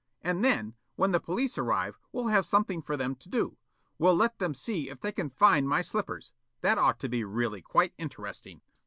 And then, when the police arrive, we'll have something for them to do. We'll let them see if they can find my slippers. That ought to be really quite interesting."